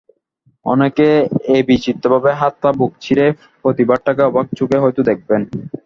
অনেকে এই বিচিত্রভাবে হাত পা বুক চিরে প্রতিবাদটাকে অবাক চোখে হয়তো দেখবেন।